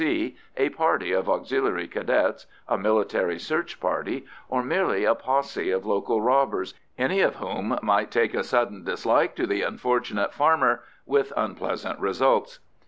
C., a party of Auxiliary Cadets, a military search party, or merely a posse of local robbers, any of whom might take a sudden dislike to the unfortunate farmer, with unpleasant results.